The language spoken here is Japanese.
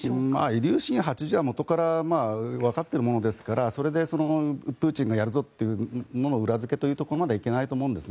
イリューシン８０はもとからわかっているものですからそれでプーチンがやるぞというものの裏付けまではいけないと思います。